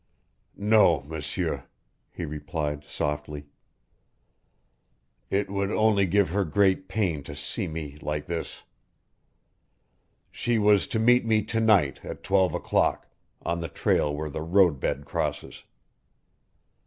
"No, M'sieur," he replied, softly. "It would only give her great pain to see me like this. She was to meet me to night at twelve o'clock on the trail where the road bed crosses.